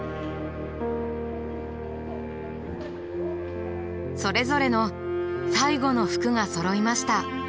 それぞれの「最後の服」がそろいました。